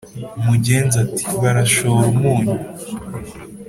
Mugenza ati"barashora umunyu "